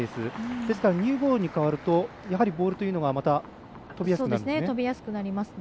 ですからニューボールに変わるとボールというのはまた、飛びやすくなるんですね。